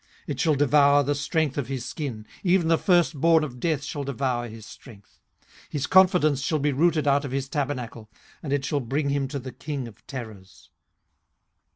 18:018:013 It shall devour the strength of his skin: even the firstborn of death shall devour his strength. 18:018:014 His confidence shall be rooted out of his tabernacle, and it shall bring him to the king of terrors.